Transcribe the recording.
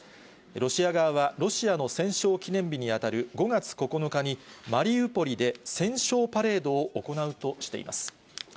ロシア側は、ロシアの戦勝記念日に当たる５月９日に、マリウポリで戦勝パレードを行うとしています。